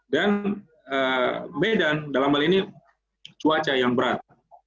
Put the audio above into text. dan medan dalam hal ini cuaca yang berat